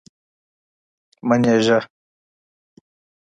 منېزه